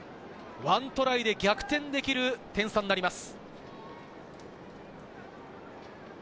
ワントライで逆転できる点差になります。